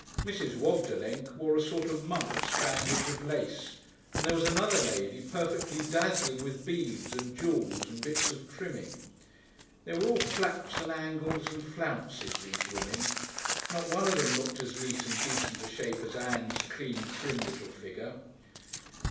Mrs. "Wogdelenk" wore a sort of mumps bandage of lace, and there was another lady perfectly dazzling with beads, and jewels and bits of trimming. They were all flaps and angles and flounces these women. Not one of them looked as neat and decent a shape as Ann's clean, trim, little figure.